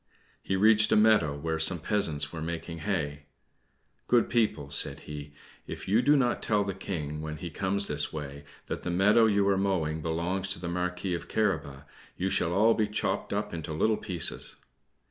He reached a meadow where some peasants were making hay. "Good people," said he, "if you do not tell the King, when he comes this way, that the meadow you are mowing belongs to the Marquis of Carabas, you shall all be chopped up into little pieces."